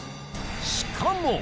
しかも。